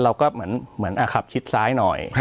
เราก็เหมือนขับชิดซ้ายหน่อย